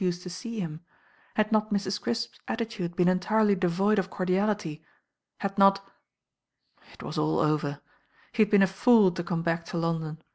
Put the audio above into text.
en ar Yf s THE NINE DAYS ENDED 189 Crisp's attitude been entiiely devoid of cordiality? Had not ? It was all over. He had been a fool to come back to London.